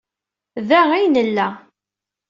Da ay nella.